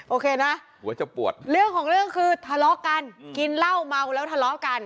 โอเคนะหัวจะปวดเรื่องของเรื่องคือทะเลาะกันกินเหล้าเมาแล้วทะเลาะกัน